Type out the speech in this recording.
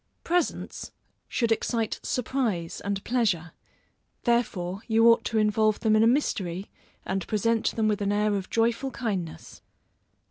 Presents should excite surprise and pleasure, therefore you ought to involve them in a mystery, and present them with an air of joyful kindness.